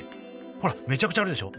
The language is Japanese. ほらめちゃくちゃあるでしょ。